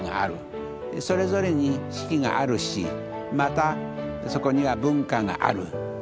それぞれに四季があるしまたそこには文化がある。